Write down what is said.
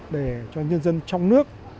để cho nhân dân trong nước